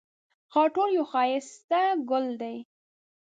خاټول یو ښایسته ګل دی